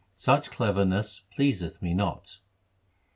Such cleverness pleaseth me not.'